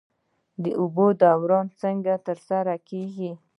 د اوبو دوران څنګه ترسره کیږي؟